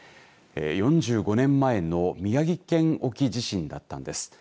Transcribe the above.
４５年前の宮城県沖地震だったんです。